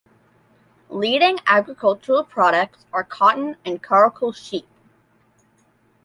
Leading agricultural products are cotton and Karakul sheep.